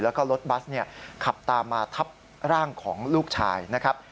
แล้วก็รถบัสขับตามมาทับร่างของลูกชายนะครับ